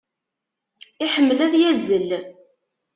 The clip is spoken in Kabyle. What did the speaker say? Iḥemmel ad yazzel.